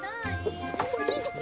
今いいところ！